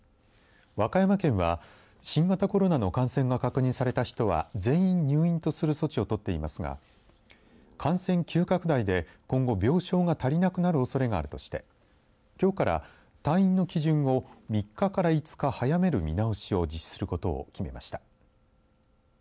和歌山県は、新型コロナの感染が確認された人は全員入院とする措置をとっていますが感染急拡大で今後、病床が足りなくなるおそれがあるとしてきょうから退院の基準を３日から５日早める見直しを実施することを決めました。